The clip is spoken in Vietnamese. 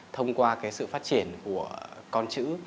thông qua cái sự phát triển của con chữ